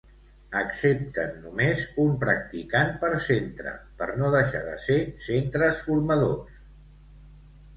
Accepten només un practicant per centre, per no deixar de ser centres formadors.